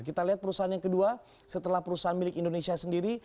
kita lihat perusahaan yang kedua setelah perusahaan milik indonesia sendiri